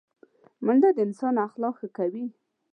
منډه د انسان اخلاق ښه کوي